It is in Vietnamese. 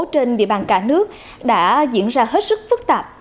trên địa bàn cả nước đã diễn ra hết sức phức tạp